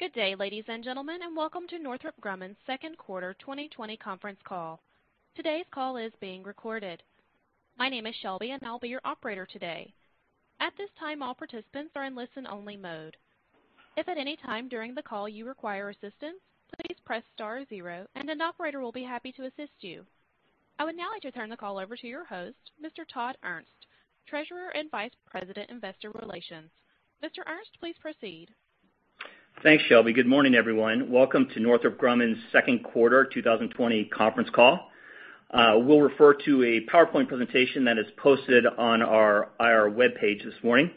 Good day, ladies and gentlemen, and welcome to Northrop Grumman's second quarter 2020 conference call. Today's call is being recorded. My name is Shelby, and I'll be your operator today. At this time, all participants are in listen only mode. If at any time during the call you require assistance, please press star zero and an operator will be happy to assist you. I would now like to turn the call over to your host, Mr. Todd Ernst, Treasurer and Vice President, Investor Relations. Mr. Ernst, please proceed. Thanks, Shelby. Good morning, everyone. Welcome to Northrop Grumman's second quarter 2020 conference call. We'll refer to a PowerPoint presentation that is posted on our IR webpage this morning.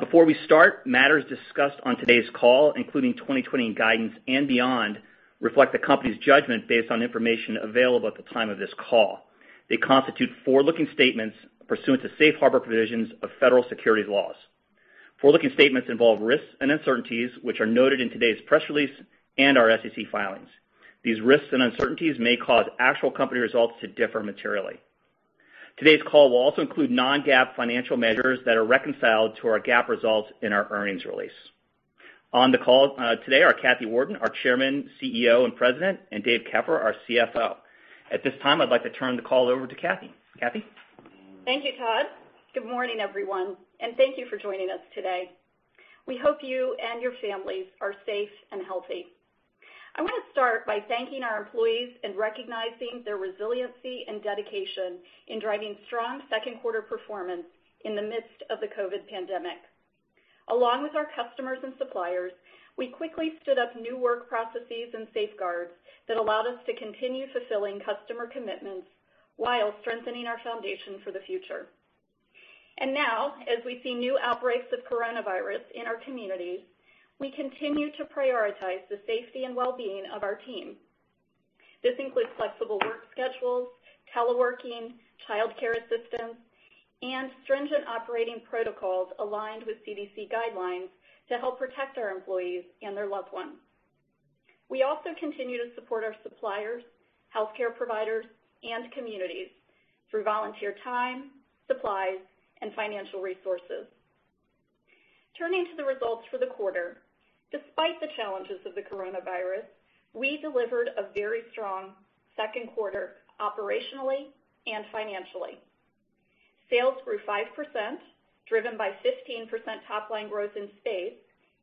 Before we start, matters discussed on today's call, including 2020 guidance and beyond, reflect the company's judgment based on information available at the time of this call. They constitute forward-looking statements pursuant to Safe Harbor provisions of Federal Securities Laws. Forward-looking statements involve risks and uncertainties, which are noted in today's press release and our SEC filings. These risks and uncertainties may cause actual company results to differ materially. Today's call will also include non-GAAP financial measures that are reconciled to our GAAP results in our earnings release. On the call today are Kathy Warden, our Chairman, CEO and President, and Dave Keffer, our CFO. At this time, I'd like to turn the call over to Kathy. Kathy? Thank you, Todd. Good morning, everyone, thank you for joining us today. We hope you and your families are safe and healthy. I want to start by thanking our employees and recognizing their resiliency and dedication in driving strong second quarter performance in the midst of the COVID pandemic. Along with our customers and suppliers, we quickly stood up new work processes and safeguards that allowed us to continue fulfilling customer commitments while strengthening our foundation for the future. Now, as we see new outbreaks of coronavirus in our communities, we continue to prioritize the safety and well-being of our team. This includes flexible work schedules, teleworking, childcare assistance, and stringent operating protocols aligned with CDC guidelines to help protect our employees and their loved ones. We also continue to support our suppliers, healthcare providers, and communities through volunteer time, supplies, and financial resources. Turning to the results for the quarter, despite the challenges of the coronavirus, we delivered a very strong second quarter operationally and financially. Sales grew 5%, driven by 15% top-line growth in Space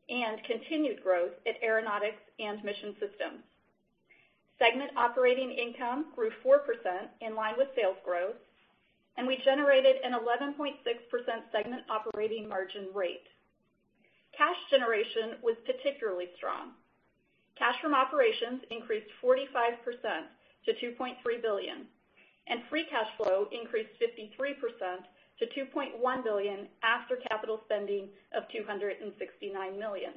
and continued growth at Aeronautics and Mission Systems. Segment operating income grew 4%, in line with sales growth, and we generated an 11.6% segment operating margin rate. Cash generation was particularly strong. Cash from operations increased 45% to $2.3 billion, and free cash flow increased 53% to $2.1 billion after capital spending of $269 million.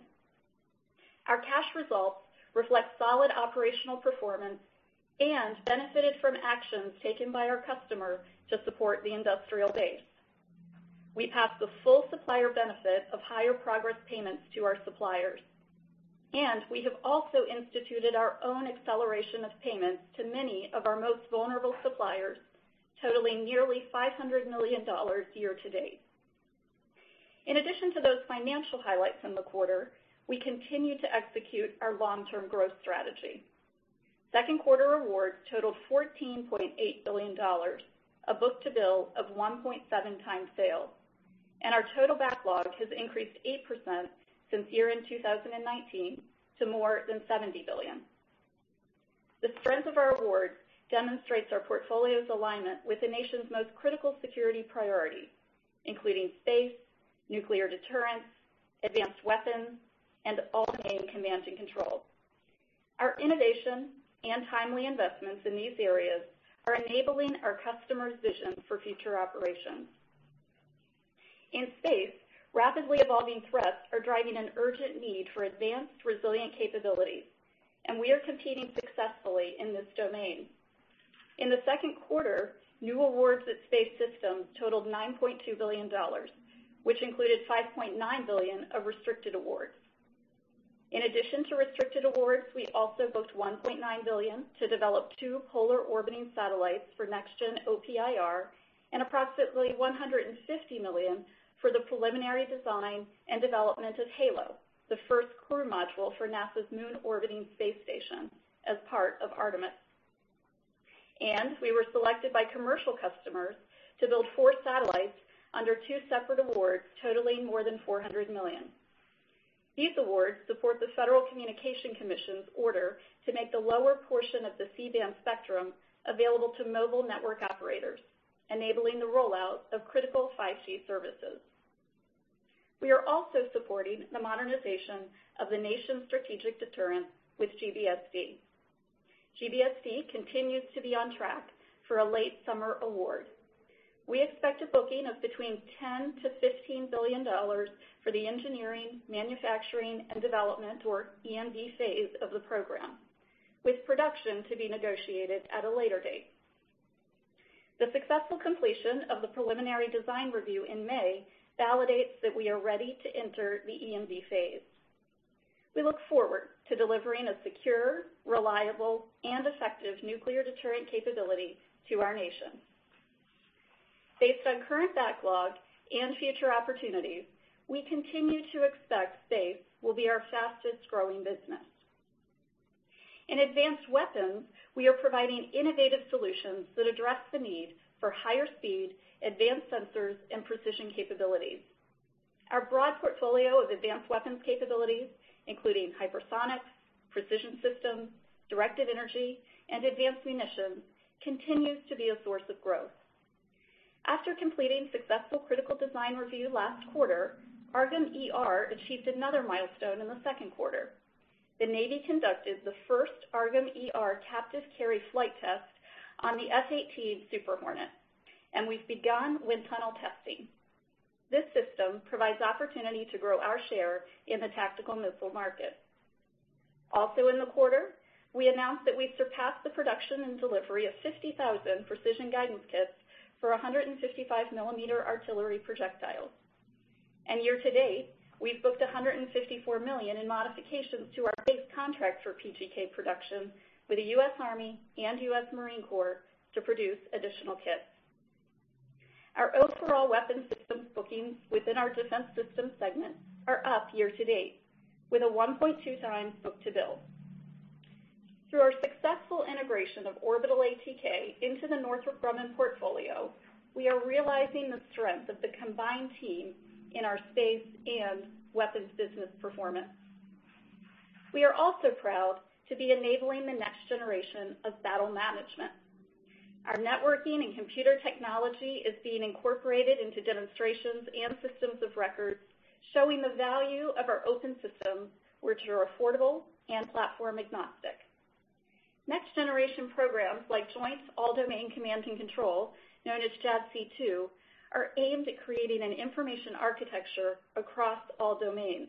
Our cash results reflect solid operational performance and benefited from actions taken by our customers to support the industrial base. We passed the full supplier benefit of higher progress payments to our suppliers, and we have also instituted our own acceleration of payments to many of our most vulnerable suppliers, totaling nearly $500 million year-to-date. In addition to those financial highlights in the quarter, we continue to execute our long-term growth strategy. Second quarter awards totaled $14.8 billion, a book-to-bill of 1.7x sales, and our total backlog has increased 8% since year-end 2019 to more than $70 billion. The strength of our awards demonstrates our portfolio's alignment with the nation's most critical security priorities, including space, nuclear deterrence, advanced weapons, and all-domain command and control. Our innovation and timely investments in these areas are enabling our customers' visions for future operations. In space, rapidly evolving threats are driving an urgent need for advanced resilient capabilities, and we are competing successfully in this domain. In the second quarter, new awards at Space Systems totaled $9.2 billion, which included $5.9 billion of restricted awards. In addition to restricted awards, we also booked $1.9 billion to develop two polar orbiting satellites for Next Gen OPIR and approximately $150 million for the preliminary design and development of HALO, the first crew module for NASA's moon orbiting space station as part of Artemis. We were selected by commercial customers to build four satellites under two separate awards totaling more than $400 million. These awards support the Federal Communications Commission's order to make the lower portion of the C-band spectrum available to mobile network operators, enabling the rollout of critical 5G services. We are also supporting the modernization of the nation's strategic deterrence with GBSD. GBSD continues to be on track for a late summer award. We expect a booking of between $10 billion-$15 billion for the engineering, manufacturing, and development, or EMD phase of the program, with production to be negotiated at a later date. The successful completion of the preliminary design review in May validates that we are ready to enter the EMD phase. We look forward to delivering a secure, reliable, and effective nuclear deterrent capability to our nation. Based on current backlog and future opportunities, we continue to expect Space will be our fastest-growing business. In advanced weapons, we are providing innovative solutions that address the need for higher speed, advanced sensors, and precision capabilities. Our broad portfolio of advanced weapons capabilities, including hypersonics, precision systems, directed energy, and advanced munitions, continues to be a source of growth. After completing successful critical design review last quarter, AARGM-ER achieved another milestone in the second quarter. The Navy conducted the first AARGM-ER captive carry flight test on the F/A-18 Super Hornet, and we've begun wind tunnel testing. This system provides opportunity to grow our share in the tactical missile market. In the quarter, we announced that we've surpassed the production and delivery of 50,000 Precision Guidance Kits for 155 mm artillery projectiles. Year to date, we've booked $154 million in modifications to our base contract for PGK production with the U.S. Army and U.S. Marine Corps to produce additional kits. Our overall weapon systems bookings within our Defense Systems segment are up year to date with a 1.2x book-to-bill. Through our successful integration of Orbital ATK into the Northrop Grumman portfolio, we are realizing the strength of the combined team in our space and weapons business performance. We are also proud to be enabling the next generation of battle management. Our networking and computer technology is being incorporated into demonstrations and systems of records, showing the value of our open systems, which are affordable and platform-agnostic. Next-generation programs like Joint All-Domain Command and Control, known as JADC2, are aimed at creating an information architecture across all domains.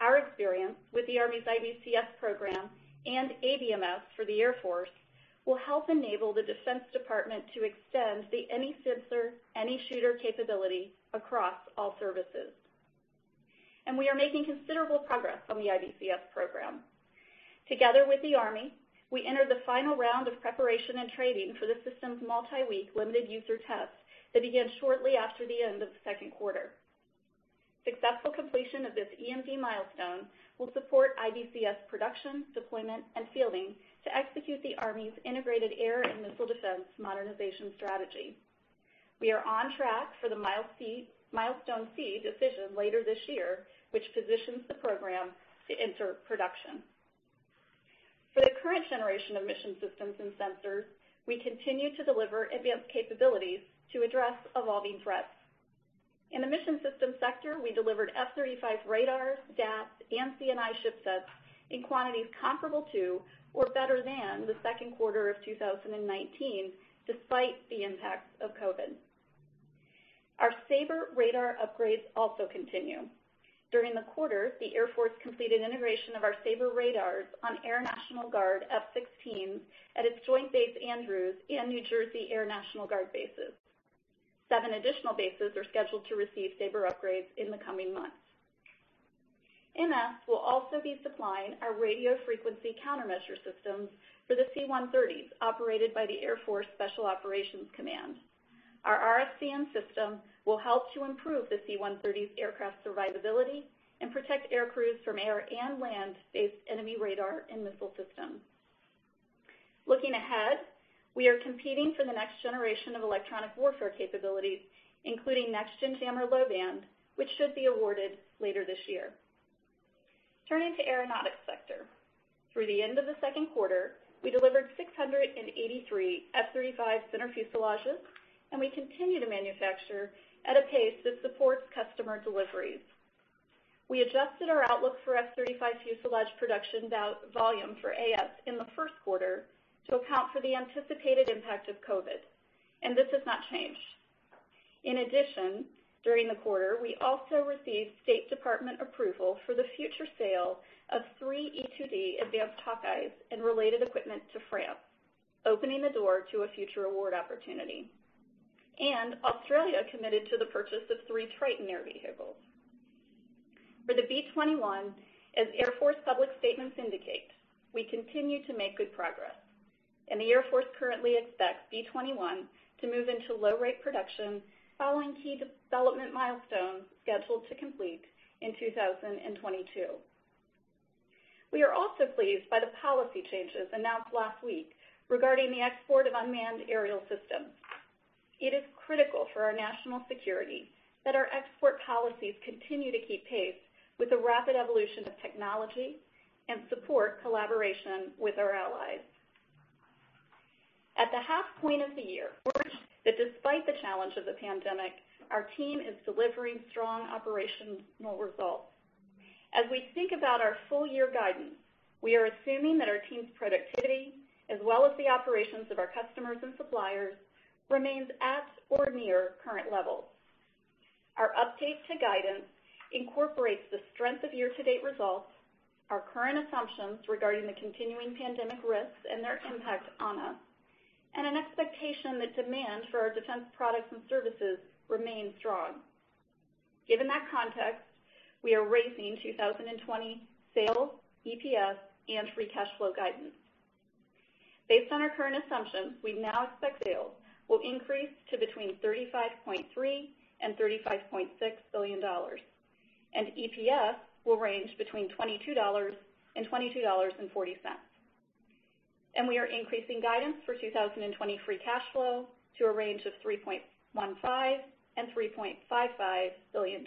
Our experience with the Army's IBCS program and ABMS for the Air Force will help enable the Defense Department to extend the any sensor, any shooter capability across all services. We are making considerable progress on the IBCS program. Together with the Army, we entered the final round of preparation and training for the system's multi-week limited user test that began shortly after the end of the second quarter. Successful completion of this EMD milestone will support IBCS production, deployment, and fielding to execute the Army's integrated air and missile defense modernization strategy. We are on track for the Milestone C decision later this year, which positions the program to enter production. For the current generation of Mission Systems and sensors, we continue to deliver advanced capabilities to address evolving threats. In the Mission Systems sector, we delivered F-35 radars, DAS, and CNI shipsets in quantities comparable to or better than the second quarter of 2019, despite the impacts of COVID. Our SABR radar upgrades also continue. During the quarter, the Air Force completed integration of our SABR radars on Air National Guard F-16s at its Joint Base Andrews and New Jersey Air National Guard bases. Seven additional bases are scheduled to receive SABR upgrades in the coming months. MS will also be supplying our Radio Frequency Countermeasure systems for the C-130s operated by the Air Force Special Operations Command. Our RFCM system will help to improve the C-130's aircraft survivability and protect aircrews from air and land-based enemy radar and missile systems. Looking ahead, we are competing for the next generation of electronic warfare capabilities, including Next Gen Jammer Low Band, which should be awarded later this year. Turning to Aeronautics sector. Through the end of the second quarter, we delivered 683 F-35 center fuselages, and we continue to manufacture at a pace that supports customer deliveries. We adjusted our outlook for F-35 fuselage production volume for AS in the first quarter to account for the anticipated impact of COVID, and this has not changed. In addition, during the quarter, we also received State Department approval for the future sale of three E-2D Advanced Hawkeyes and related equipment to France, opening the door to a future award opportunity. Australia committed to the purchase of three Triton air vehicles. For the B-21, as Air Force public statements indicate, we continue to make good progress, and the Air Force currently expects B-21 to move into low rate production following key development milestones scheduled to complete in 2022. We are also pleased by the policy changes announced last week regarding the export of unmanned aerial systems. It is critical for our national security that our export policies continue to keep pace with the rapid evolution of technology and support collaboration with our allies. At the half point of the year, that despite the challenge of the pandemic, our team is delivering strong operational results. As we think about our full-year guidance, we are assuming that our team's productivity, as well as the operations of our customers and suppliers, remains at or near current levels. Our update to guidance incorporates the strength of year-to-date results, our current assumptions regarding the continuing pandemic risks and their impact on us, an expectation that demand for our defense products and services remains strong. Given that context, we are raising 2020 sales, EPS, and free cash flow guidance. Based on our current assumptions, we now expect sales will increase to between $35.3 billion and $35.6 billion, and EPS will range between $22 and $22.40. We are increasing guidance for 2020 free cash flow to a range of $3.15 billion-$3.55 billion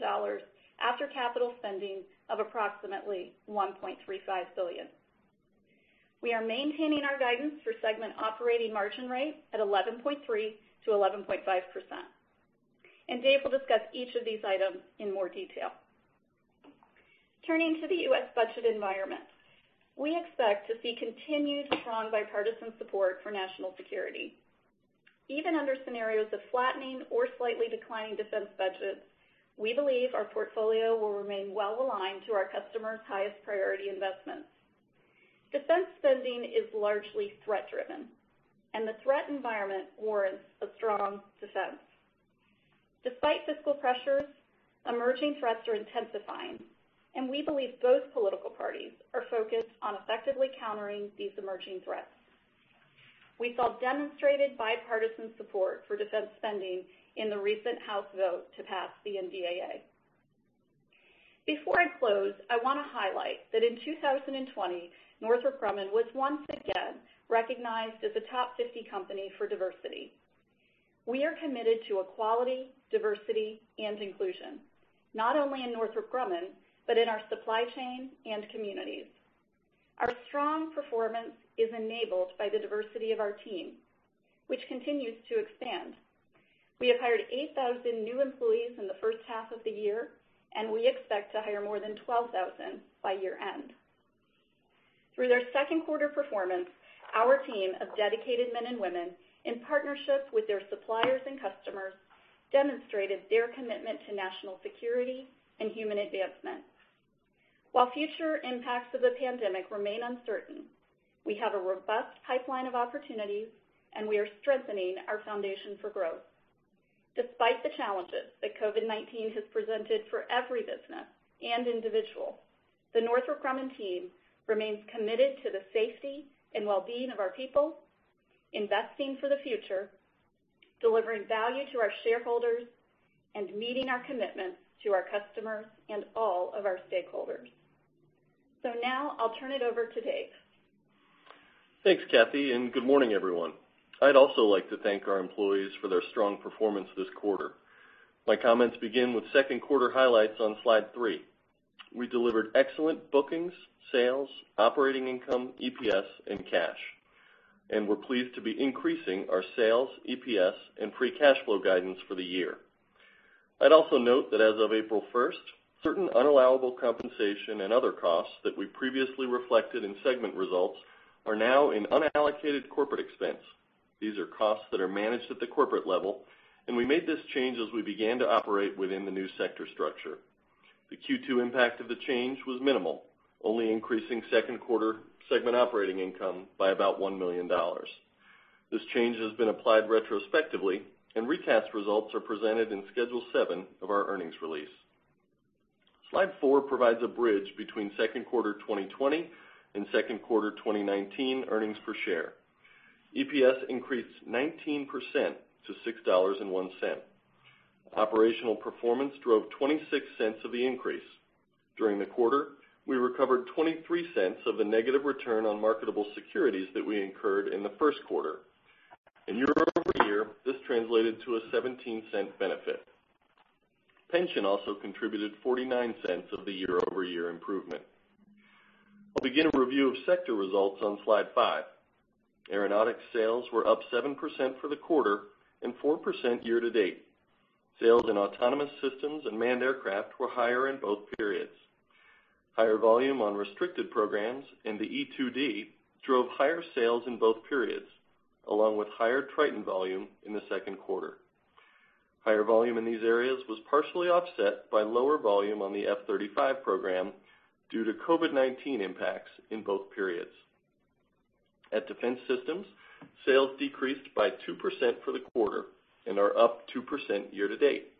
after capital spending of approximately $1.35 billion. We are maintaining our guidance for segment operating margin rate at 11.3%-11.5%. Dave will discuss each of these items in more detail. Turning to the U.S. budget environment, we expect to see continued strong bipartisan support for national security. Even under scenarios of flattening or slightly declining defense budgets, we believe our portfolio will remain well-aligned to our customers' highest priority investments. Defense spending is largely threat driven, and the threat environment warrants a strong defense. Despite fiscal pressures, emerging threats are intensifying, and we believe both political parties are focused on effectively countering these emerging threats. We saw demonstrated bipartisan support for defense spending in the recent House vote to pass the NDAA. Before I close, I want to highlight that in 2020, Northrop Grumman was once again recognized as a Top 50 company for Diversity. We are committed to equality, diversity, and inclusion, not only in Northrop Grumman, but in our supply chain and communities. Our strong performance is enabled by the diversity of our team, which continues to expand. We have hired 8,000 new employees in the first half of the year, and we expect to hire more than 12,000 by year-end. Through their second quarter performance, our team of dedicated men and women, in partnership with their suppliers and customers, demonstrated their commitment to national security and human advancement. While future impacts of the pandemic remain uncertain, we have a robust pipeline of opportunities and we are strengthening our foundation for growth. Despite the challenges that COVID-19 has presented for every business and individual, the Northrop Grumman team remains committed to the safety and well-being of our people, investing for the future, delivering value to our shareholders, and meeting our commitments to our customers and all of our stakeholders. Now I'll turn it over to Dave. Thanks, Kathy. Good morning, everyone. I'd also like to thank our employees for their strong performance this quarter. My comments begin with second quarter highlights on slide three. We delivered excellent bookings, sales, operating income, EPS, and cash. We're pleased to be increasing our sales, EPS, and free cash flow guidance for the year. I'd also note that as of April 1st, certain unallowable compensation and other costs that we previously reflected in segment results are now in unallocated corporate expense. These are costs that are managed at the corporate level, and we made this change as we began to operate within the new sector structure. The Q2 impact of the change was minimal, only increasing second quarter segment operating income by about $1 million. This change has been applied retrospectively and recast results are presented in Schedule seven of our earnings release. Slide four provides a bridge between second quarter 2020 and second quarter 2019 earnings per share. EPS increased 19% to $6.01. Operational performance drove $0.26 of the increase. During the quarter, we recovered $0.23 of the negative return on marketable securities that we incurred in the first quarter. Year-over-year, this translated to a $0.17 benefit. Pension also contributed $0.49 of the year-over-year improvement. I'll begin a review of sector results on slide five. Aeronautics sales were up 7% for the quarter and 4% year to date. Sales in autonomous systems and manned aircraft were higher in both periods. Higher volume on restricted programs and the E-2D drove higher sales in both periods, along with higher Triton volume in the second quarter. Higher volume in these areas was partially offset by lower volume on the F-35 program due to COVID-19 impacts in both periods. At Defense Systems, sales decreased by 2% for the quarter and are up 2% year-to-date.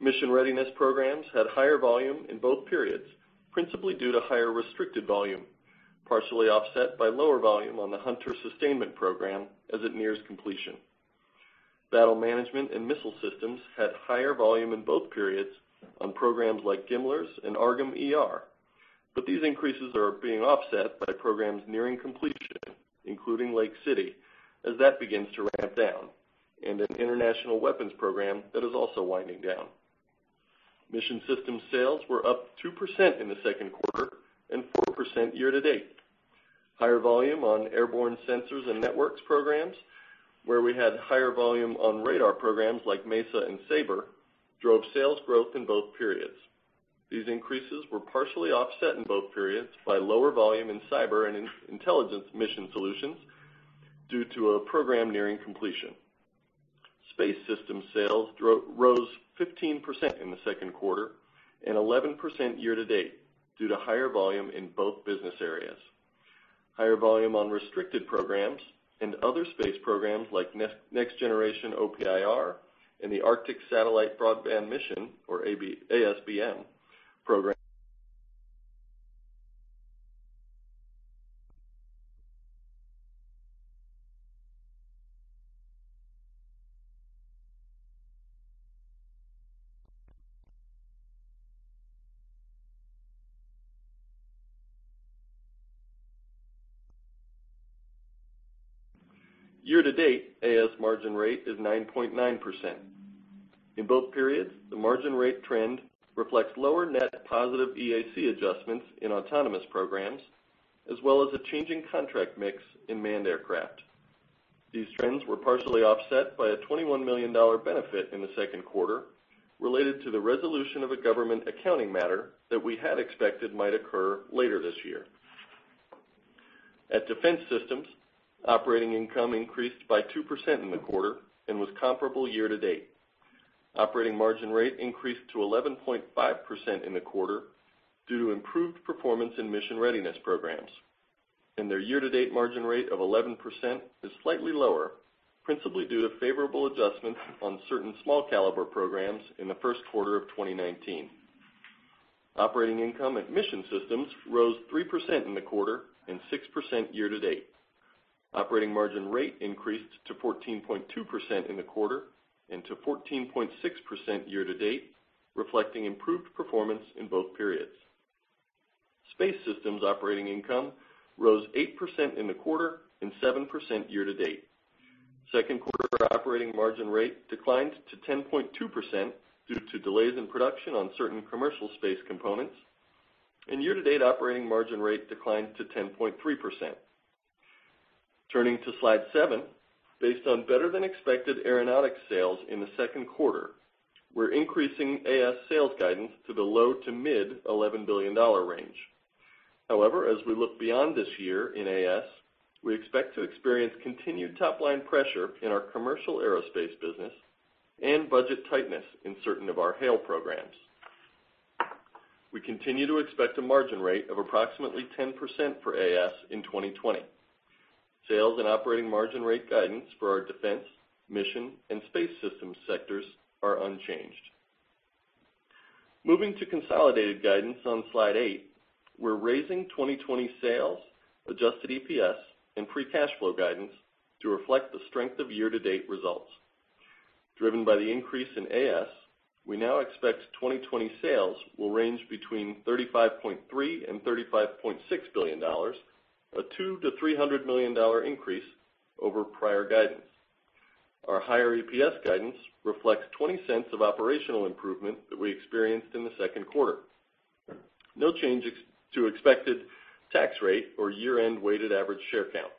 Mission readiness programs had higher volume in both periods, principally due to higher restricted volume, partially offset by lower volume on the Hunter sustainment program as it nears completion. Battle management and missile systems had higher volume in both periods on programs like GMLRS and AARGM-ER. These increases are being offset by programs nearing completion, including Lake City, as that begins to ramp down, and an international weapons program that is also winding down. Mission Systems sales were up 2% in the second quarter and 4% year-to-date. Higher volume on airborne sensors and networks programs, where we had higher volume on radar programs like MESA and SABR, drove sales growth in both periods. These increases were partially offset in both periods by lower volume in cyber and intelligence mission solutions due to a program nearing completion. Space Systems sales rose 15% in the second quarter and 11% year-to-date due to higher volume in both business areas. Higher volume on restricted programs and other space programs like Next Generation OPIR and the Arctic Satellite Broadband Mission, or ASBM program. Year-to-date, AS margin rate is 9.9%. In both periods, the margin rate trend reflects lower net positive EAC adjustments in autonomous programs, as well as a changing contract mix in manned aircraft. These trends were partially offset by a $21 million benefit in the second quarter, related to the resolution of a government accounting matter that we had expected might occur later this year. At Defense Systems, operating income increased by 2% in the quarter and was comparable year-to-date. Operating margin rate increased to 11.5% in the quarter due to improved performance in mission readiness programs, and their year-to-date margin rate of 11% is slightly lower, principally due to favorable adjustments on certain small caliber programs in the first quarter of 2019. Operating income at Mission Systems rose 3% in the quarter and 6% year-to-date. Operating margin rate increased to 14.2% in the quarter and to 14.6% year-to-date, reflecting improved performance in both periods. Space Systems operating income rose 8% in the quarter and 7% year-to-date. Second quarter operating margin rate declined to 10.2% due to delays in production on certain commercial space components, and year-to-date operating margin rate declined to 10.3%. Turning to slide seven. Based on better than expected Aeronautics sales in the second quarter, we're increasing AS sales guidance to the low to mid $11 billion range. As we look beyond this year in AS, we expect to experience continued top-line pressure in our commercial aerospace business and budget tightness in certain of our HALE programs. We continue to expect a margin rate of approximately 10% for AS in 2020. Sales and operating margin rate guidance for our Defense, Mission, and Space Systems sectors are unchanged. Moving to consolidated guidance on slide eight, we're raising 2020 sales, adjusted EPS, and free cash flow guidance to reflect the strength of year-to-date results. Driven by the increase in AS, we now expect 2020 sales will range between $35.3 billion and $35.6 billion, a $200 million-$300 million increase over prior guidance. Our higher EPS guidance reflects $0.20 of operational improvement that we experienced in the second quarter. No change to expected tax rate or year-end weighted average share count.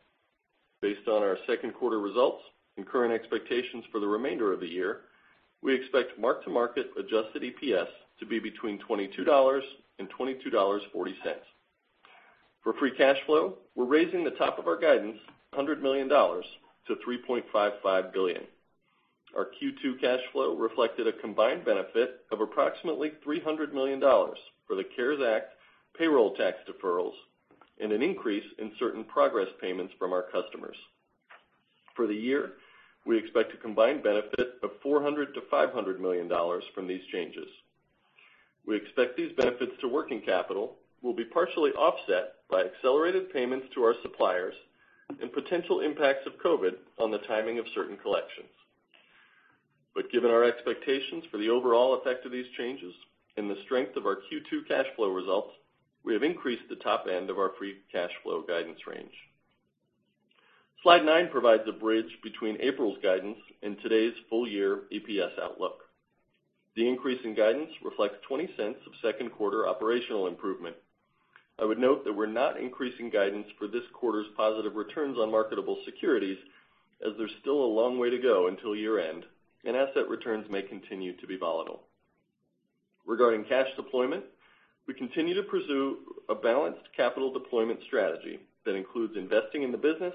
Based on our second quarter results and current expectations for the remainder of the year, we expect mark-to-market adjusted EPS to be between $22 and $22.40. For free cash flow, we're raising the top of our guidance $100 million to $3.55 billion. Our Q2 cash flow reflected a combined benefit of approximately $300 million for the CARES Act payroll tax deferrals and an increase in certain progress payments from our customers. For the year, we expect a combined benefit of $400 million-$500 million from these changes. We expect these benefits to working capital will be partially offset by accelerated payments to our suppliers and potential impacts of COVID on the timing of certain collections. Given our expectations for the overall effect of these changes and the strength of our Q2 cash flow results, we have increased the top end of our free cash flow guidance range. Slide nine provides a bridge between April's guidance and today's full year EPS outlook. The increase in guidance reflects $0.20 of second quarter operational improvement. I would note that we're not increasing guidance for this quarter's positive returns on marketable securities, as there's still a long way to go until year-end, and asset returns may continue to be volatile. Regarding cash deployment, we continue to pursue a balanced capital deployment strategy that includes investing in the business,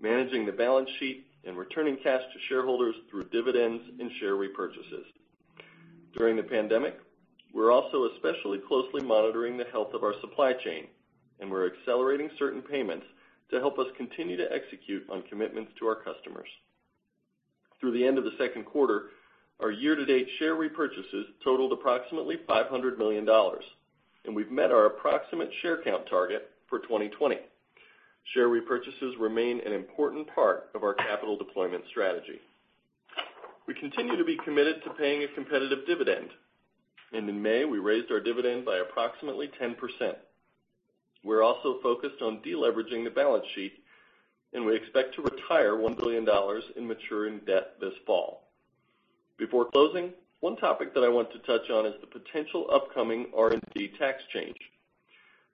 managing the balance sheet, and returning cash to shareholders through dividends and share repurchases. During the pandemic, we're also especially closely monitoring the health of our supply chain, and we're accelerating certain payments to help us continue to execute on commitments to our customers. Through the end of the second quarter, our year-to-date share repurchases totaled approximately $500 million, and we've met our approximate share count target for 2020. Share repurchases remain an important part of our capital deployment strategy. We continue to be committed to paying a competitive dividend, and in May, we raised our dividend by approximately 10%. We're also focused on de-leveraging the balance sheet, and we expect to retire $1 billion in maturing debt this fall. Before closing, one topic that I want to touch on is the potential upcoming R&D tax change.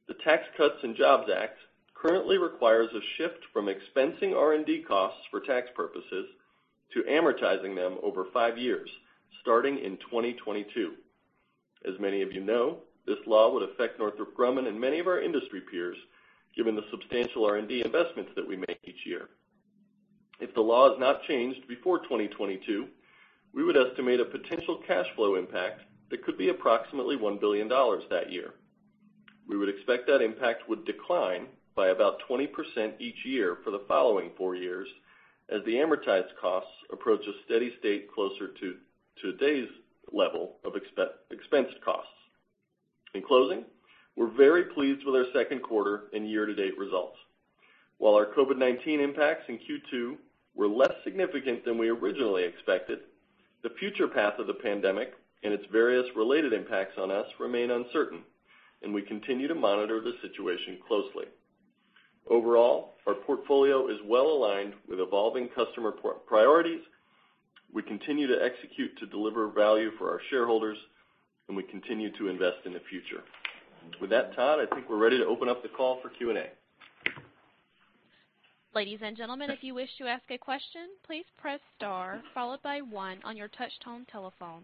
The Tax Cuts and Jobs Act currently requires a shift from expensing R&D costs for tax purposes to amortizing them over five years, starting in 2022. As many of you know, this law would affect Northrop Grumman and many of our industry peers, given the substantial R&D investments that we make each year. If the law is not changed before 2022, we would estimate a potential cash flow impact that could be approximately $1 billion that year. We would expect that impact would decline by about 20% each year for the following four years as the amortized costs approach a steady state closer to today's level of expensed costs. In closing, we're very pleased with our second quarter and year-to-date results. While our COVID-19 impacts in Q2 were less significant than we originally expected, the future path of the pandemic and its various related impacts on us remain uncertain, and we continue to monitor the situation closely. Overall, our portfolio is well-aligned with evolving customer priorities. We continue to execute to deliver value for our shareholders, and we continue to invest in the future. With that, Todd, I think we're ready to open up the call for Q&A. Ladies and gentlemen, if you wish to ask a question, please press star followed by one on your touch tone telephone.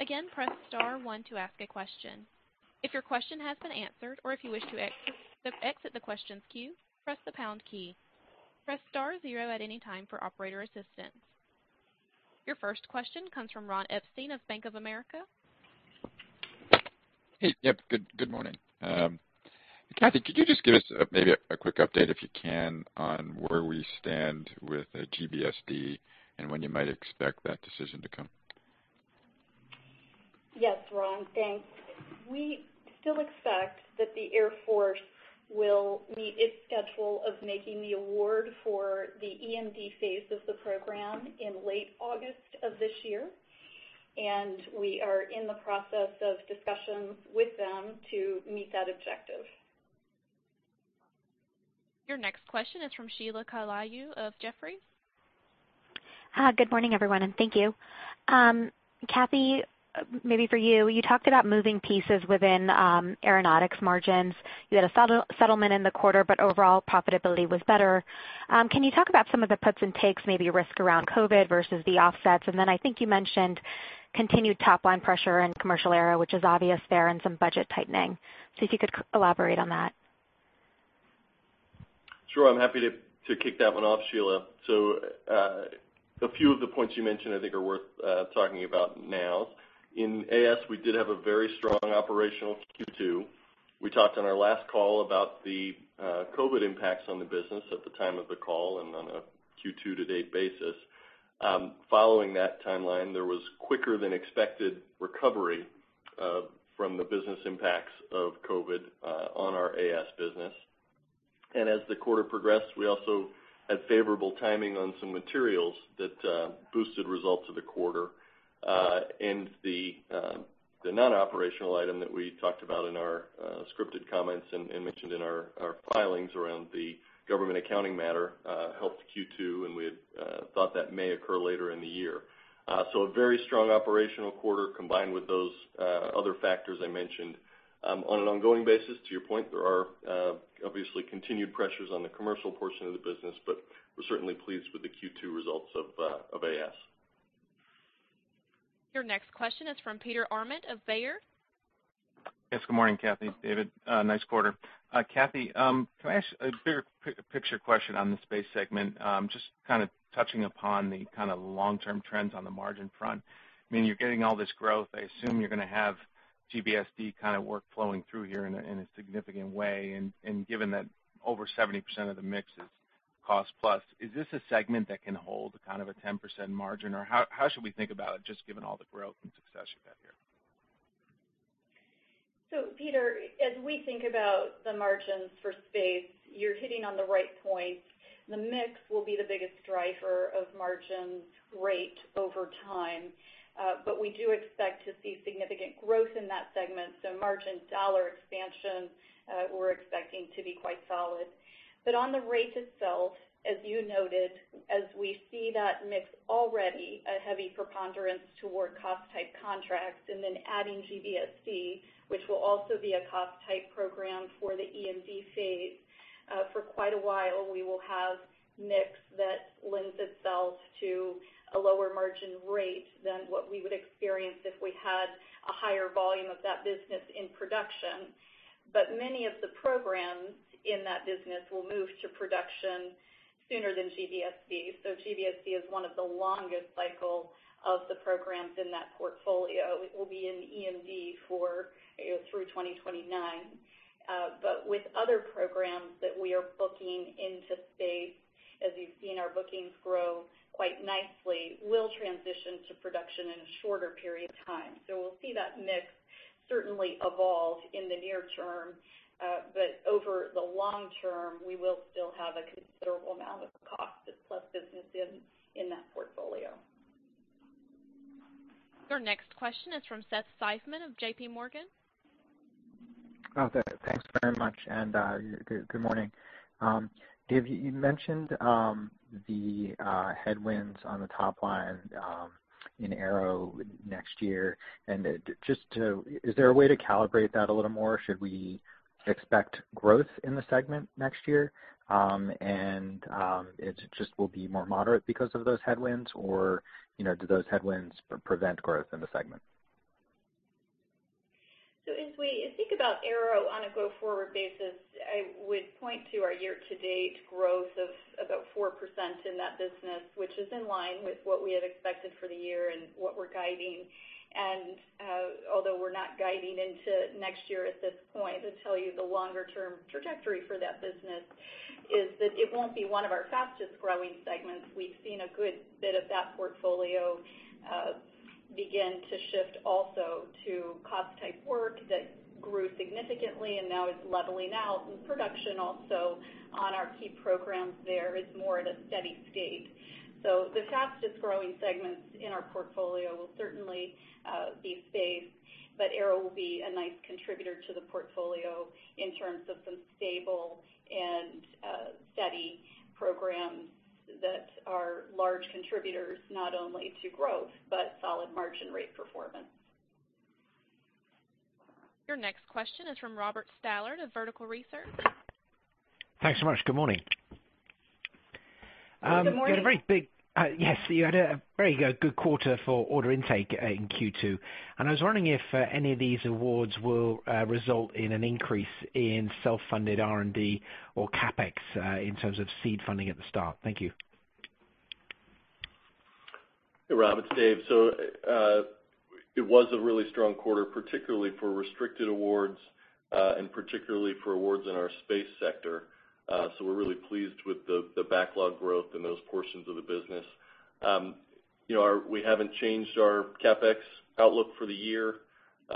Again, press star one to ask a question. If your question has been answered or if you wish to exit the questions queue, press the pound key. Press star zero at any time for operator assistance. Your first question comes from Ron Epstein of Bank of America. Hey. Yep. Good morning. Kathy, could you just give us maybe a quick update, if you can, on where we stand with GBSD and when you might expect that decision to come? Yes, Ron, thanks. We still expect that the Air Force will meet its schedule of making the award for the EMD phase of the program in late August of this year. We are in the process of discussions with them to meet that objective. Your next question is from Sheila Kahyaoglu of Jefferies. Good morning, everyone, and thank you. Kathy, maybe for you. You talked about moving pieces within Aeronautics margins. You had a settlement in the quarter, overall profitability was better. Can you talk about some of the puts and takes, maybe risk around COVID versus the offsets? I think you mentioned continued top-line pressure in commercial aero, which is obvious there, and some budget tightening. If you could elaborate on that. Sure. I'm happy to kick that one off, Sheila. A few of the points you mentioned I think are worth talking about now. In AS, we did have a very strong operational Q2. We talked on our last call about the COVID impacts on the business at the time of the call and on a Q2-to-date basis. Following that timeline, there was quicker than expected recovery from the business impacts of COVID on our AS business. As the quarter progressed, we also had favorable timing on some materials that boosted results of the quarter. The non-operational item that we talked about in our scripted comments and mentioned in our filings around the government accounting matter helped Q2, and we had thought that may occur later in the year. A very strong operational quarter combined with those other factors I mentioned. On an ongoing basis, to your point, there are obviously continued pressures on the commercial portion of the business, but we're certainly pleased with the Q2 results of AS. Your next question is from Peter Arment of Baird. Yes. Good morning, Kathy, David. Nice quarter. Kathy, can I ask a bigger picture question on the Space segment? Just kind of touching upon the kind of long-term trends on the margin front. I mean, you're getting all this growth. I assume you're going to have GBSD kind of work flowing through here in a significant way. Given that over 70% of the mix is cost plus, is this a segment that can hold kind of a 10% margin, or how should we think about it, just given all the growth and success you've had here? Peter, as we think about the margins for Space, you're hitting on the right points. The mix will be the biggest driver of margins rate over time. We do expect to see significant growth in that segment. Margin dollar expansion, we're expecting to be quite solid. On the rate itself, as you noted, as we see that mix already a heavy preponderance toward cost-type contracts and then adding GBSD, which will also be a cost-type program for the EMD phase. For quite a while, we will have mix that lends itself to a lower margin rate than what we would experience if we had a higher volume of that business in production. Many of the programs in that business will move to production sooner than GBSD. GBSD is one of the longest cycle of the programs in that portfolio. It will be in EMD through 2029. With other programs that we are booking into Space, as you've seen our bookings grow quite nicely, will transition to production in a shorter period of time. We'll see that mix certainly evolve in the near term, but over the long term, we will still have a considerable amount of cost plus business in that portfolio. Your next question is from Seth Seifman of JPMorgan. Okay. Thanks very much. Good morning. Dave, you mentioned the headwinds on the top line in Aero next year. Is there a way to calibrate that a little more? Should we expect growth in the segment next year, and it just will be more moderate because of those headwinds, or do those headwinds prevent growth in the segment? As we think about Aero on a go-forward basis, I would point to our year-to-date growth of about 4% in that business, which is in line with what we had expected for the year and what we're guiding. Although we're not guiding into next year at this point, to tell you the longer-term trajectory for that business is that it won't be one of our fastest growing segments. We've seen a good bit of that portfolio begin to shift also to cost-type work that grew significantly and now is leveling out in production also on our key programs there is more at a steady state. The fastest-growing segments in our portfolio will certainly be Space, but Aero will be a nice contributor to the portfolio in terms of some stable and steady programs that are large contributors not only to growth, but solid margin rate performance. Your next question is from Robert Stallard of Vertical Research. Thanks so much. Good morning. Good morning. Yes, you had a very good quarter for order intake in Q2. I was wondering if any of these awards will result in an increase in self-funded R&D or CapEx in terms of seed funding at the start. Thank you. Hey, Rob, it's Dave. It was a really strong quarter, particularly for restricted awards and particularly for awards in our space sector. We're really pleased with the backlog growth in those portions of the business. We haven't changed our CapEx outlook for the year.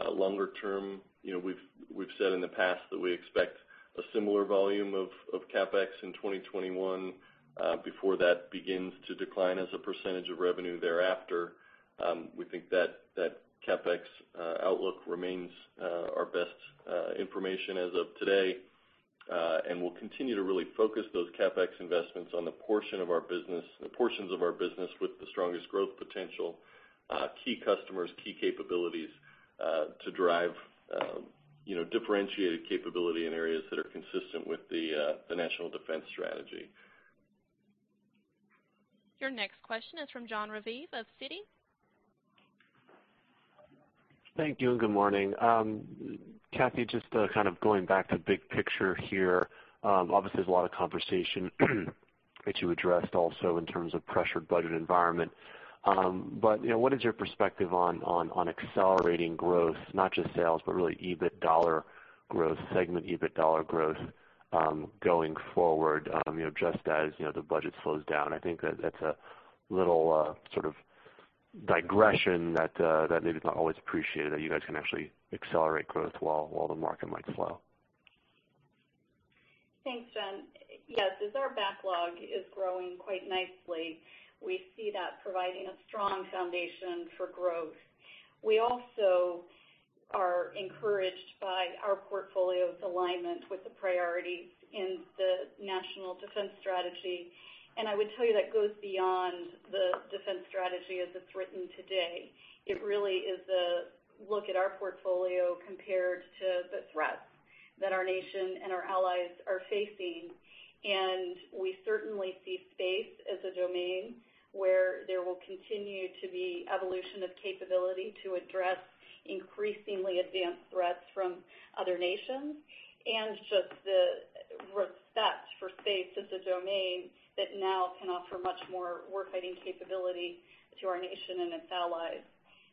Longer term, we've said in the past that we expect a similar volume of CapEx in 2021 before that begins to decline as a percentage of revenue thereafter. We think that CapEx outlook remains our best information as of today. We'll continue to really focus those CapEx investments on the portions of our business with the strongest growth potential, key customers, key capabilities to drive differentiated capability in areas that are consistent with the National Defense Strategy. Your next question is from Jon Raviv of Citi. Thank you. Good morning. Kathy, just kind of going back to big picture here. Obviously, there's a lot of conversation that you addressed also in terms of pressured budget environment. What is your perspective on accelerating growth, not just sales, but really EBIT dollar growth, segment EBIT dollar growth going forward just as the budget slows down? I think that's a little sort of digression that maybe is not always appreciated, that you guys can actually accelerate growth while the market might slow. Thanks, Jon. Yes, as our backlog is growing quite nicely, we see that providing a strong foundation for growth. We also are encouraged by our portfolio's alignment with the priorities in the National Defense Strategy. I would tell you that goes beyond the defense strategy as it's written today. It really is a look at our portfolio compared to the threats that our nation and our allies are facing. We certainly see space as a domain where there will continue to be evolution of capability to address increasingly advanced threats from other nations, and just the respect for space as a domain that now can offer much more war-fighting capability to our nation and its allies.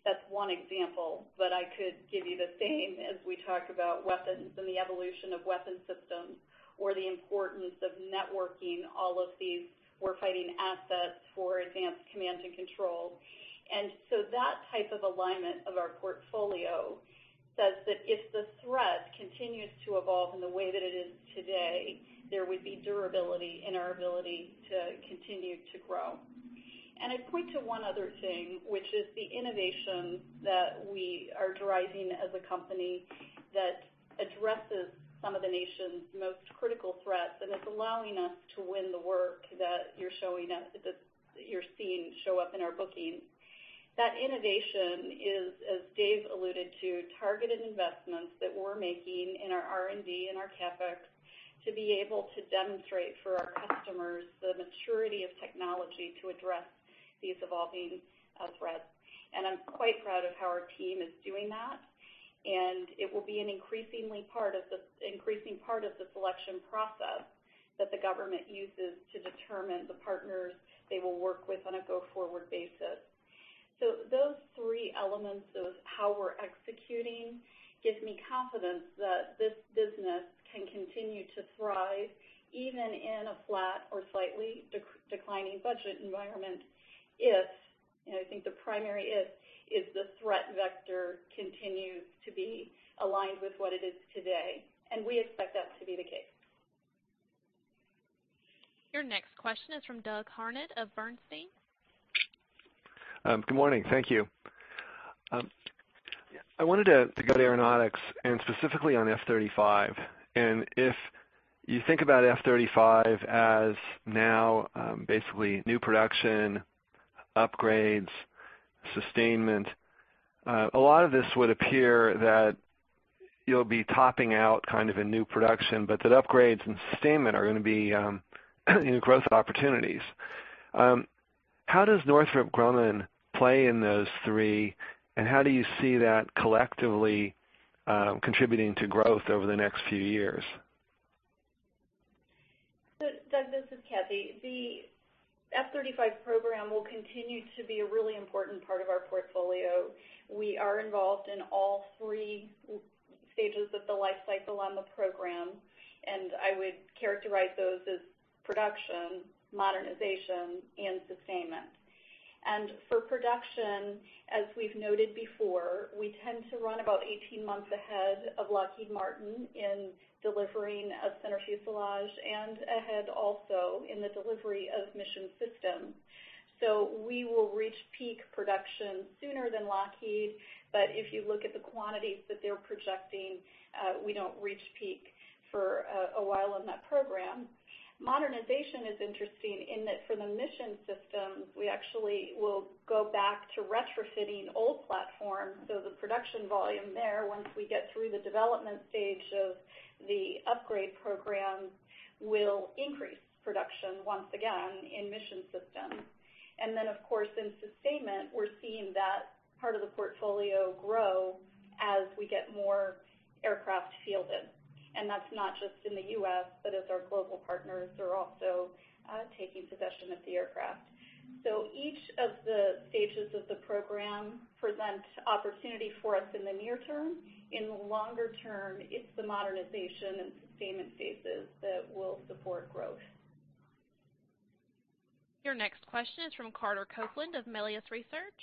That's one example, but I could give you the same as we talk about weapons and the evolution of weapon systems, or the importance of networking all of these war-fighting assets for advanced command and control. So that type of alignment of our portfolio says that if the threat continues to evolve in the way that it is today, there would be durability in our ability to continue to grow. I'd point to one other thing, which is the innovation that we are deriving as a company that addresses some of the nation's most critical threats, and it's allowing us to win the work that you're seeing show up in our bookings. That innovation is, as Dave alluded to, targeted investments that we're making in our R&D and our CapEx to be able to demonstrate for our customers the maturity of technology to address these evolving threats. I'm quite proud of how our team is doing that. It will be an increasing part of the selection process that the government uses to determine the partners they will work with on a go-forward basis. Those three elements of how we're executing give me confidence that this business can continue to thrive, even in a flat or slightly declining budget environment if, and I think the primary if, is the threat vector continues to be aligned with what it is today. We expect that to be the case. Your next question is from Doug Harned of Bernstein. Good morning. Thank you. I wanted to go to Aeronautics, and specifically on F-35. If you think about F-35 as now basically new production, upgrades, sustainment. A lot of this would appear that you'll be topping out kind of in new production, but that upgrades and sustainment are going to be growth opportunities. How does Northrop Grumman play in those three, and how do you see that collectively contributing to growth over the next few years? Doug, this is Kathy. The F-35 program will continue to be a really important part of our portfolio. We are involved in all three stages of the life cycle on the program. I would characterize those as production, modernization, and sustainment. For production, as we've noted before, we tend to run about 18 months ahead of Lockheed Martin in delivering a center fuselage and ahead also in the delivery of mission systems. We will reach peak production sooner than Lockheed. If you look at the quantities that they're projecting, we don't reach peak for a while on that program. Modernization is interesting in that for the mission systems, we actually will go back to retrofitting old platforms. The production volume there, once we get through the development stage of the upgrade program, will increase production once again in mission systems. Of course, in sustainment, we're seeing that part of the portfolio grow as we get more aircraft fielded. That's not just in the U.S., but as our global partners are also taking possession of the aircraft. Each of the stages of the program present opportunity for us in the near term. In the longer term, it's the modernization and sustainment phases that will support growth. Your next question is from Carter Copeland of Melius Research.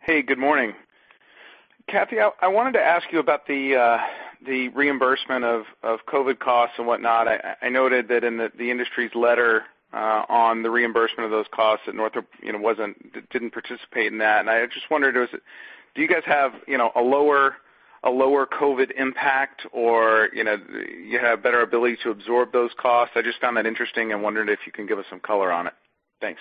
Hey, good morning. Kathy, I wanted to ask you about the reimbursement of COVID costs and whatnot. I noted that in the industry's letter on the reimbursement of those costs that Northrop didn't participate in that. I just wondered, do you guys have a lower COVID impact or you have better ability to absorb those costs? I just found that interesting and wondered if you can give us some color on it. Thanks.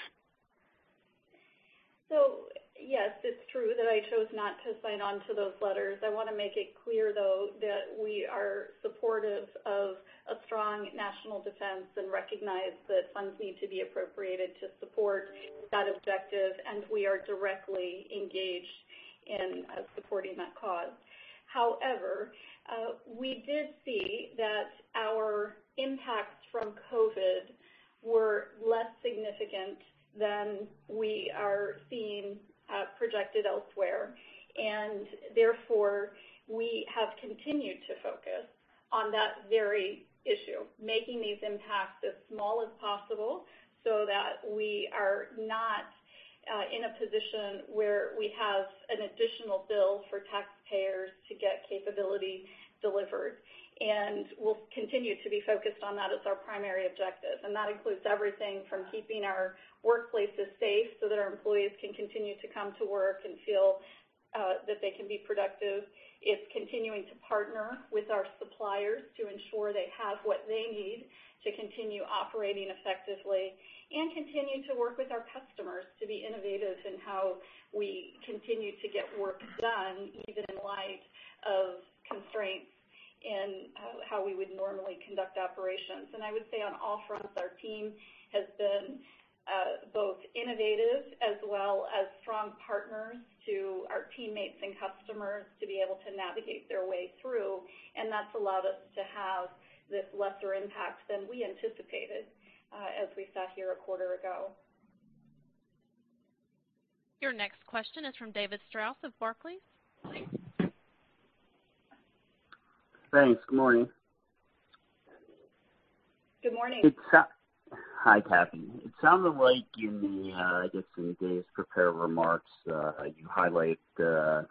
Yes, it's true that I chose not to sign on to those letters. I want to make it clear, though, that we are supportive of a strong national defense and recognize that funds need to be appropriated to support that objective, and we are directly engaged in supporting that cause. However, we did see that our impacts from COVID-19 were less significant than we are seeing projected elsewhere. Therefore, we have continued to focus on that very issue, making these impacts as small as possible so that we are not in a position where we have an additional bill for taxpayers to get capability delivered. We'll continue to be focused on that as our primary objective. That includes everything from keeping our workplaces safe so that our employees can continue to come to work and feel that they can be productive. It's continuing to partner with our suppliers to ensure they have what they need to continue operating effectively and continue to work with our customers to be innovative in how we continue to get work done, even in light of constraints in how we would normally conduct operations. I would say on all fronts, our team has been both innovative as well as strong partners to our teammates and customers to be able to navigate their way through, and that's allowed us to have this lesser impact than we anticipated as we sat here a quarter ago. Your next question is from David Strauss of Barclays. Thanks. Good morning. Good morning. Hi, Kathy. It sounded like in Dave's prepared remarks, you highlight the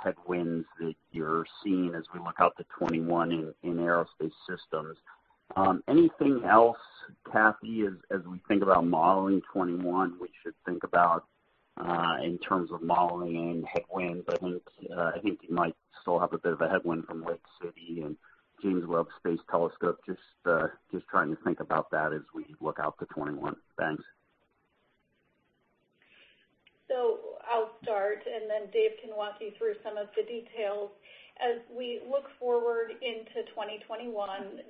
headwinds that you're seeing as we look out to 2021 in Aerospace Systems. Anything else, Kathy, as we think about modeling 2021, we should think about in terms of modeling and headwinds? I think you might still have a bit of a headwind from Lake City and James Webb Space Telescope. Just trying to think about that as we look out to 2021. Thanks. I'll start and then Dave can walk you through some of the details. As we look forward into 2021,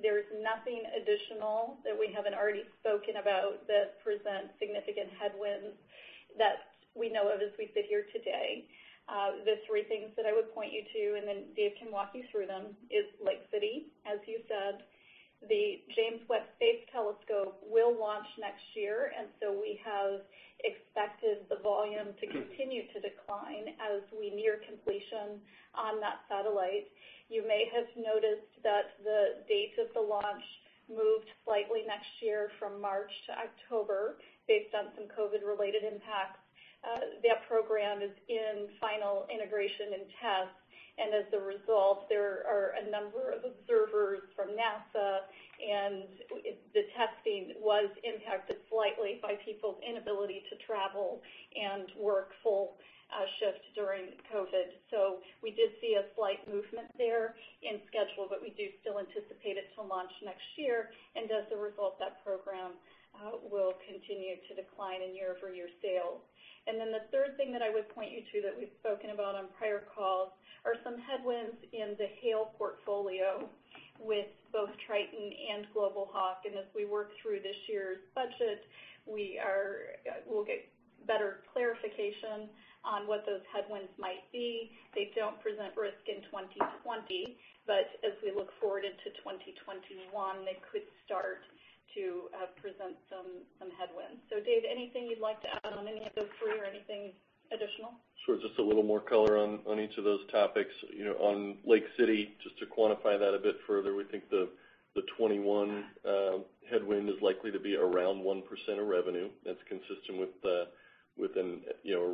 there's nothing additional that we haven't already spoken about that presents significant headwinds that we know of as we sit here today. The three things that I would point you to, and then Dave can walk you through them, is Lake City, as you said. The James Webb Space Telescope will launch next year, we have expected the volume to continue to decline as we near completion on that satellite. You may have noticed that the date of the launch moved slightly next year from March to October based on some COVID-related impacts. That program is in final integration and tests. As a result, there are a number of observers from NASA. The testing was impacted slightly by people's inability to travel and work full shifts during COVID. We did see a slight movement there in schedule. We do still anticipate it to launch next year. As a result, that program will continue to decline in year-over-year sales. The third thing that I would point you to that we've spoken about on prior calls are some headwinds in the HALE portfolio with both Triton and Global Hawk. As we work through this year's budget, we'll get better clarification on what those headwinds might be. They don't present risk in 2020. As we look forward into 2021, they could start to present some headwinds. Dave, anything you'd like to add on any of those three or anything additional? Sure. Just a little more color on each of those topics. On Lake City, just to quantify that a bit further, we think the 2021 headwind is likely to be around 1% of revenue. That's consistent with a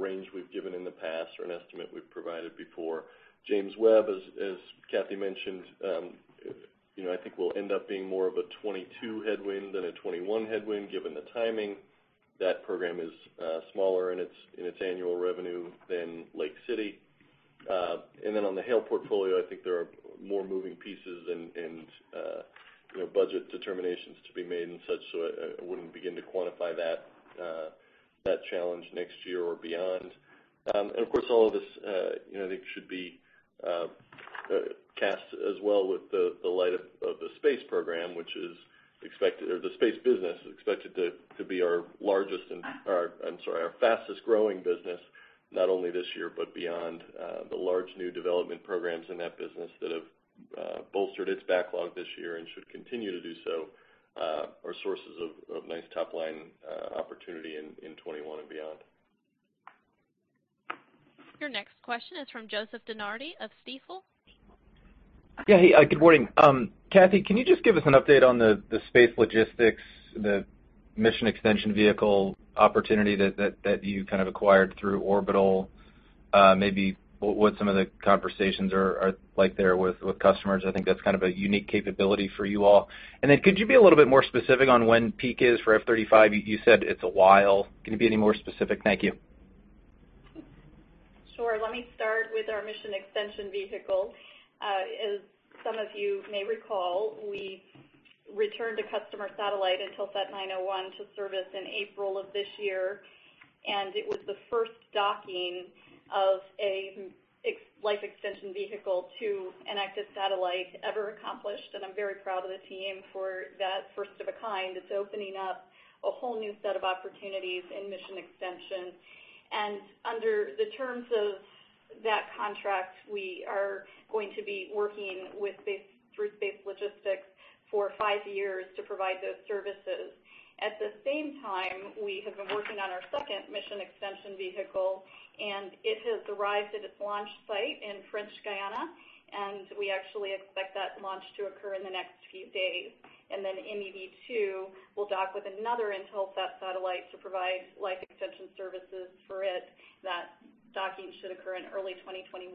range we've given in the past or an estimate we've provided before. James Webb, as Kathy mentioned, I think will end up being more of a 2022 headwind than a 2021 headwind, given the timing. That program is smaller in its annual revenue than Lake City. On the HALE portfolio, I think there are more moving pieces and budget determinations to be made and such, so I wouldn't begin to quantify that challenge next year or beyond. Of course, all of this, I think, should be cast as well with the light of the space business, which is expected to be our fastest growing business, not only this year, but beyond. The large new development programs in that business that have bolstered its backlog this year and should continue to do so are sources of nice top-line opportunity in 2021 and beyond. Your next question is from Joseph DeNardi of Stifel. Yeah. Hey, good morning. Kathy, can you just give us an update on the space logistics, the Mission Extension Vehicle opportunity that you acquired through Orbital? Maybe what some of the conversations are like there with customers. I think that's kind of a unique capability for you all. Could you be a little bit more specific on when peak is for F-35? You said it's a while. Can you be any more specific? Thank you. Sure. Let me start with our Mission Extension Vehicle. As some of you may recall, we returned a customer satellite, Intelsat 901, to service in April of this year, and it was the first docking of a life extension vehicle to an active satellite ever accomplished, and I'm very proud of the team for that first of a kind. It's opening up a whole new set of opportunities in mission extension. Under the terms of that contract, we are going to be working through space logistics for five years to provide those services. At the same time, we have been working on our second Mission Extension Vehicle, and it has arrived at its launch site in French Guiana, and we actually expect that launch to occur in the next few days. MEV-2 will dock with another Intelsat satellite to provide life extension services for it. That docking should occur in early 2021.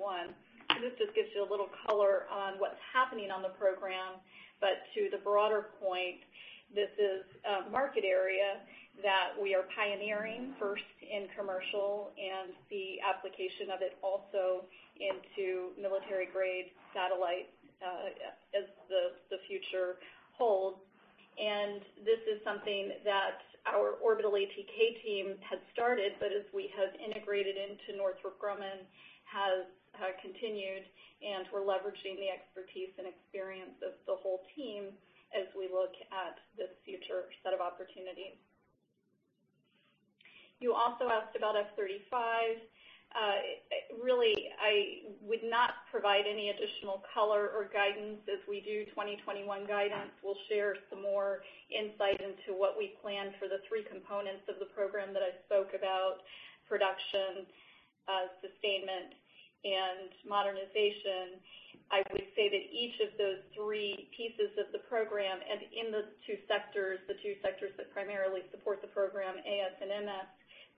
This just gives you a little color on what's happening on the program. To the broader point, this is a market area that we are pioneering first in commercial and the application of it also into military-grade satellites as the future holds. This is something that our Orbital ATK team had started, but as we have integrated into Northrop Grumman, have continued, and we're leveraging the expertise and experience of the whole team as we look at this future set of opportunities. You also asked about F-35. Really, I would not provide any additional color or guidance. As we do 2021 guidance, we'll share some more insight into what we plan for the three components of the program that I spoke about, production, sustainment, and modernization. I would say that each of those three pieces of the program and in the two sectors that primarily support the program, AS and MS,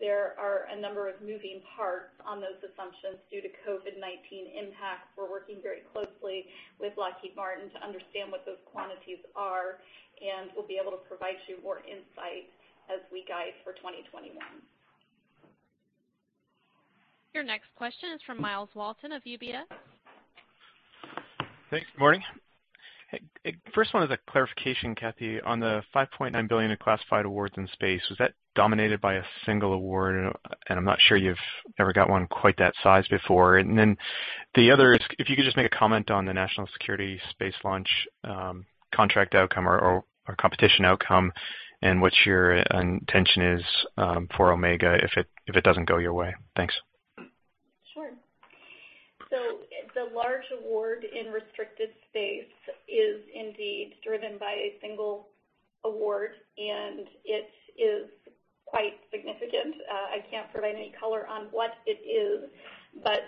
there are a number of moving parts on those assumptions due to COVID-19 impact. We're working very closely with Lockheed Martin to understand what those quantities are, and we'll be able to provide you more insight as we guide for 2021. Your next question is from Myles Walton of UBS. Thanks. Good morning. First one is a clarification, Kathy, on the $5.9 billion of classified awards in space. Was that dominated by a single award? I'm not sure you've ever got one quite that size before. The other is, if you could just make a comment on the National Security Space Launch contract outcome or competition outcome, and what your intention is for OmegA if it doesn't go your way. Thanks. Sure. The large award in restricted space is indeed driven by a single award, and it is quite significant. I can't provide any color on what it is, but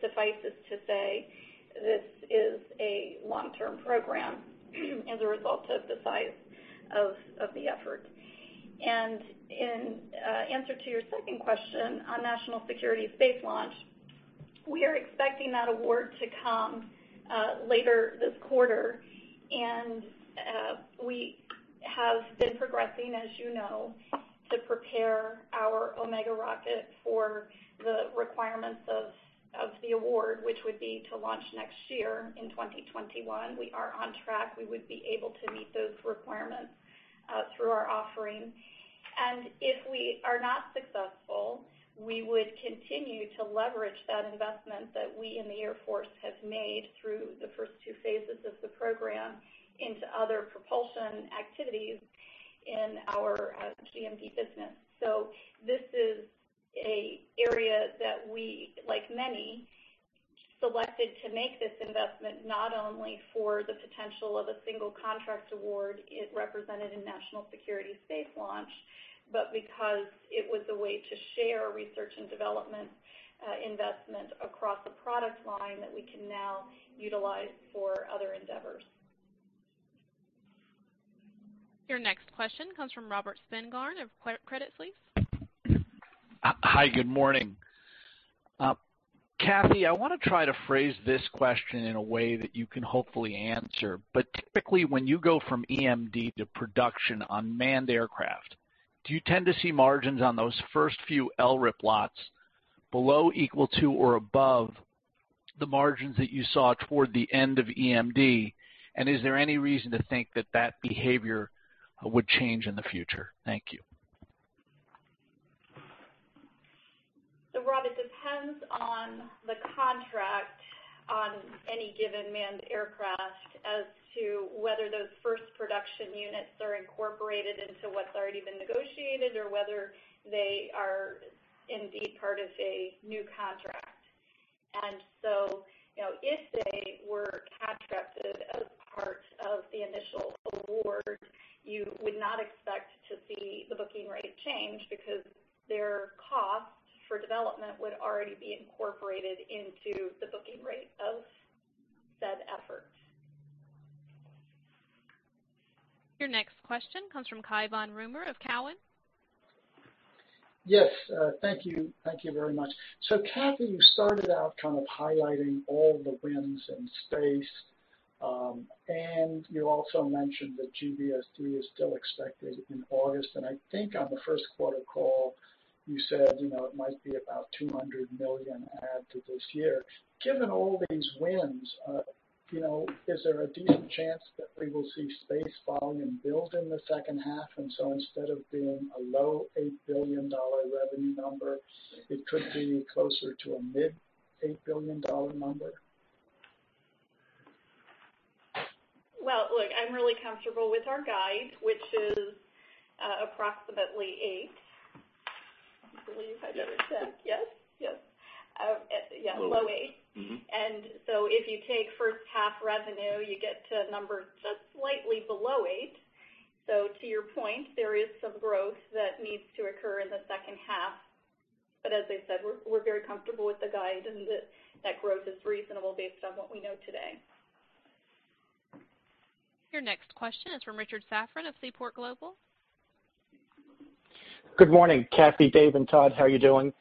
suffice it to say, this is a long-term program as a result of the size of the effort. In answer to your second question on National Security Space Launch, we are expecting that award to come later this quarter. We have been progressing, as you know, to prepare our OmegA rocket for the requirements of the award, which would be to launch next year in 2021. We are on track. We would be able to meet those requirements through our offering. If we are not successful, we would continue to leverage that investment that we in the Air Force have made through the first two phases of the program into other propulsion activities in our GMP business. This is an area that we, like many, selected to make this investment not only for the potential of a single contract award it represented in National Security Space Launch, but because it was a way to share research and development investment across the product line that we can now utilize for other endeavors. Your next question comes from Robert Spingarn of Credit Suisse. Hi, good morning. Kathy, I want to try to phrase this question in a way that you can hopefully answer. Typically, when you go from EMD to production on manned aircraft, do you tend to see margins on those first few LRIP lots below, equal to, or above the margins that you saw toward the end of EMD? Is there any reason to think that that behavior would change in the future? Thank you. Rob, it depends on the contract on any given manned aircraft as to whether those first production units are incorporated into what's already been negotiated or whether they are indeed part of a new contract. If they were contracted as part of the initial award, you would not expect to see the booking rate change because their cost for development would already be incorporated into the booking rate of said effort. Your next question comes from Cai Von Rumohr of Cowen. Yes. Thank you very much. Kathy, you started out kind of highlighting all the wins in Space. You also mentioned that GBSD is still expected in August. I think on the first quarter call, you said it might be about $200 million add to this year. Given all these wins, is there a decent chance that we will see Space volume build in the second half and instead of being a low $8 billion revenue number, it could be closer to a mid $8 billion number? Well, look, I'm really comfortable with our guide, which is approximately eight. I believe I heard that. Yes. Yes, low eight. If you take first half revenue, you get to a number just slightly below eight. To your point, there is some growth that needs to occur in the second half. As I said, we're very comfortable with the guide and that growth is reasonable based on what we know today. Your next question is from Richard Safran of Seaport Global. Good morning, Kathy, Dave, and Todd. How are you doing?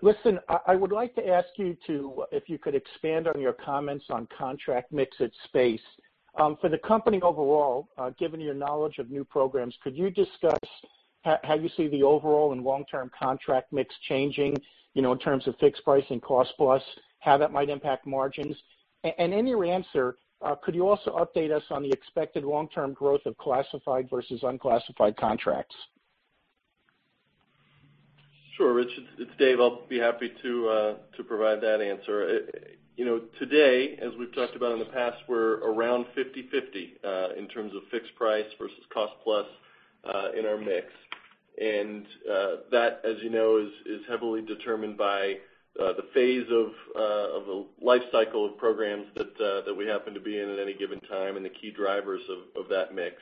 Listen, I would like to ask you to, if you could expand on your comments on contract mix at Space. For the company overall, given your knowledge of new programs, could you discuss how you see the overall and long-term contract mix changing, in terms of fixed price and cost plus, how that might impact margins? In your answer, could you also update us on the expected long-term growth of classified versus unclassified contracts? Sure, Richard, it's Dave. I'll be happy to provide that answer. Today, as we've talked about in the past, we're around 50/50, in terms of fixed price versus cost plus, in our mix. That, as you know, is heavily determined by the phase of the life cycle of programs that we happen to be in at any given time and the key drivers of that mix.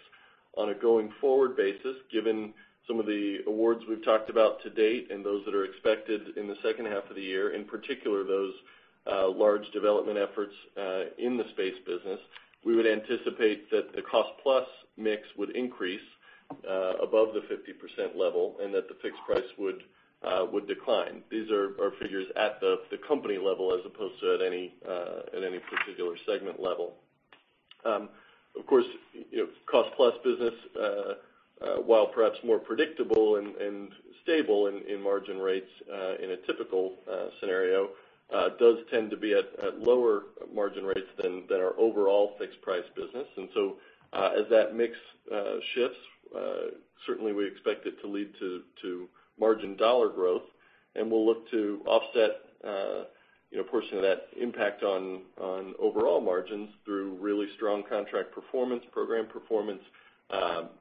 On a going forward basis, given some of the awards we've talked about to date and those that are expected in the second half of the year, in particular, those large development efforts in the space business, we would anticipate that the cost plus mix would increase above the 50% level and that the fixed price would decline. These are figures at the company level as opposed to at any particular segment level. Of course, cost-plus business, while perhaps more predictable and stable in margin rates in a typical scenario, does tend to be at lower margin rates than our overall fixed-price business. As that mix shifts, certainly we expect it to lead to margin dollar growth, and we'll look to offset a portion of that impact on overall margins through really strong contract performance, program performance,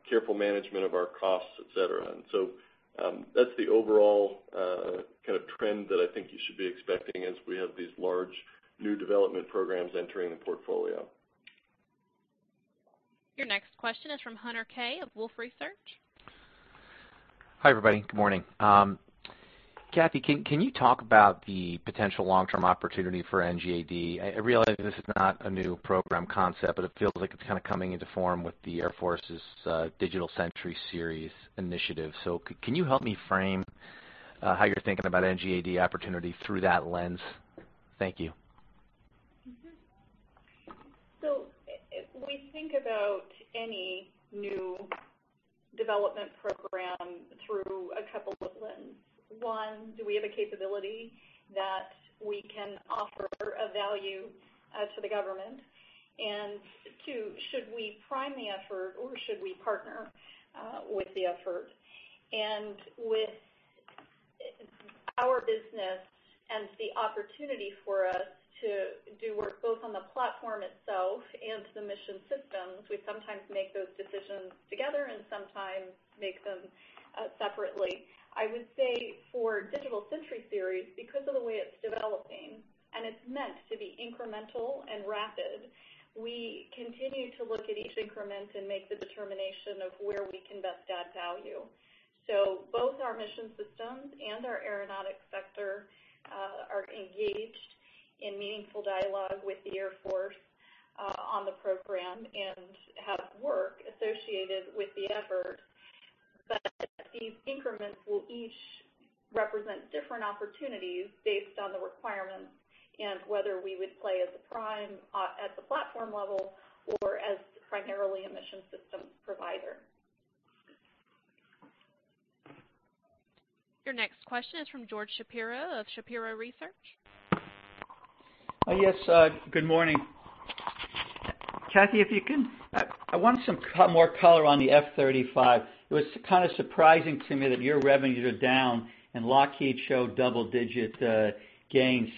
careful management of our costs, et cetera. That's the overall kind of trend that I think you should be expecting as we have these large new development programs entering the portfolio. Your next question is from Hunter Keay of Wolfe Research. Hi, everybody. Good morning. Kathy, can you talk about the potential long-term opportunity for NGAD? I realize this is not a new program concept, but it feels like it's kind of coming into form with the Air Force's Digital Century Series initiative. Can you help me frame how you're thinking about NGAD opportunity through that lens? Thank you. Think about any new development program through a couple of lenses. One, do we have a capability that we can offer of value to the government? Two, should we prime the effort, or should we partner with the effort? With our business and the opportunity for us to do work both on the platform itself and the Mission Systems, we sometimes make those decisions together and sometimes make them separately. I would say for Digital Century Series, because of the way it's developing, and it's meant to be incremental and rapid, we continue to look at each increment and make the determination of where we can best add value. Both our Mission Systems and our Aeronautics sector are engaged in meaningful dialogue with the Air Force on the program and have work associated with the effort. These increments will each represent different opportunities based on the requirements and whether we would play as a prime at the platform level or as primarily a mission systems provider. Your next question is from George Shapiro of Shapiro Research. Yes. Good morning. Kathy, I want some more color on the F-35. It was kind of surprising to me that your revenues are down and Lockheed showed double-digit gains.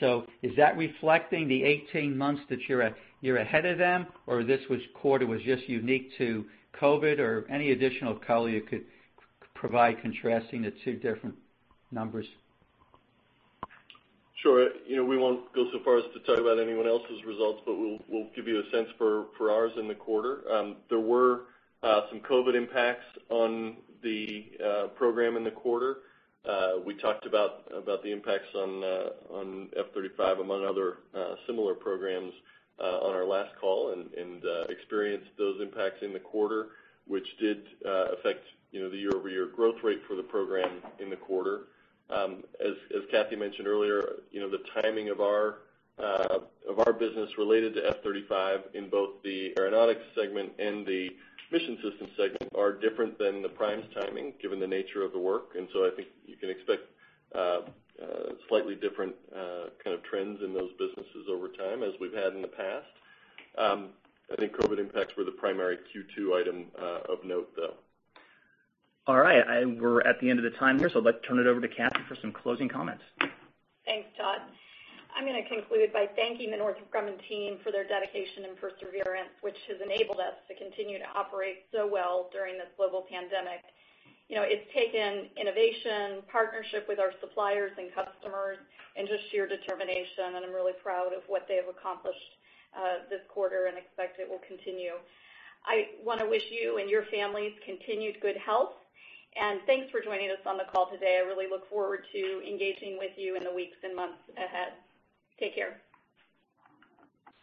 Is that reflecting the 18 months that you're ahead of them, or this quarter was just unique to COVID, or any additional color you could provide contrasting the two different numbers? Sure. We won't go so far as to talk about anyone else's results, but we'll give you a sense for ours in the quarter. There were some COVID impacts on the program in the quarter. We talked about the impacts on F-35, among other similar programs, on our last call and experienced those impacts in the quarter, which did affect the year-over-year growth rate for the program in the quarter. As Kathy mentioned earlier, the timing of our business related to F-35 in both the Aeronautics segment and the Mission Systems segment are different than the primes timing, given the nature of the work. I think you can expect slightly different kind of trends in those businesses over time, as we've had in the past. I think COVID impacts were the primary Q2 item of note, though. All right. We're at the end of the time here, so I'd like to turn it over to Kathy for some closing comments. Thanks, Todd. I'm going to conclude by thanking the Northrop Grumman team for their dedication and perseverance, which has enabled us to continue to operate so well during this global pandemic. It's taken innovation, partnership with our suppliers and customers, and just sheer determination, and I'm really proud of what they have accomplished this quarter and expect it will continue. I want to wish you and your families continued good health, and thanks for joining us on the call today. I really look forward to engaging with you in the weeks and months ahead. Take care.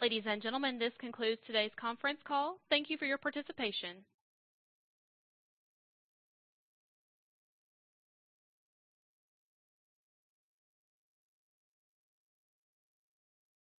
Ladies and gentlemen, this concludes today's conference call. Thank you for your participation.